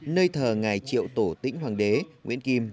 nơi thờ ngài triệu tổ tĩnh hoàng đế nguyễn kim